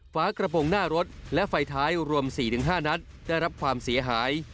ฝากระโปรงหน้ารถและไฟท้ายรวม๔๕นัดได้รับความเสียหาย